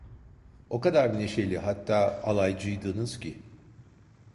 O kadar neşeli, hatta alaycıydınız ki…